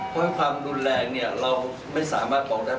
เพราะความดูดแรงเราไม่สามารถบอกได้